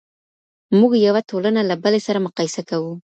موږ یوه ټولنه له بلې سره مقایسه کوو.